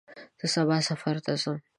زه سبا سفر ته ځم.